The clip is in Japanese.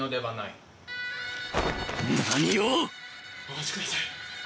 ・お待ちください。